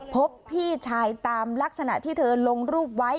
พบพี่ชายตามลักษณะที่เธอลงรูปไว้